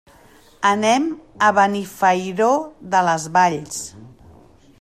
Anem a Benifairó de les Valls.